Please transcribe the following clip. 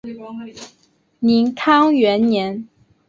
宁康元年。